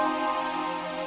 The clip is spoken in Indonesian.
yaudah bang buangin